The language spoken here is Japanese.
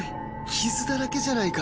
傷だらけじゃないか